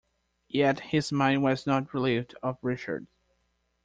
Yet his mind was not relieved of Richard.